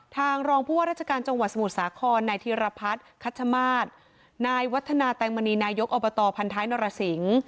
ทางรองผู้ว่าราชการจังหวัดสมุทรสาครนายธีรพัฒน์คัชมาศนายวัฒนาแตงมณีนายกอบตพันท้ายนรสิง